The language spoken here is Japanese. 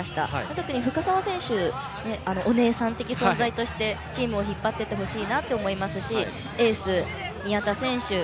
特に深沢選手はお姉さん的存在としてチームを引っ張ってほしいと思いますしエース、宮田選手。